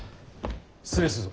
失礼するぞ。